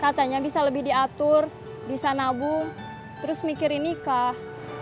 katanya bisa lebih diatur bisa nabung terus mikirin nikah